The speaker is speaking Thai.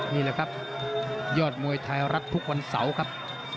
นี่แหละครับยอดมวยไทยรัฐทุกวันเสาร์ครับ